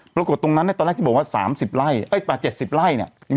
ปรากฏตรงนั้นตอนแรกที่บอกว่า๓๐ไร่เอ้ยเปล่า๗๐ไร่เนี่ย